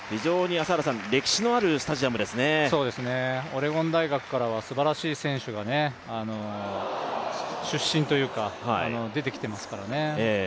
オレゴン大学からはすばらしい選手が出身というか、出てきてますからね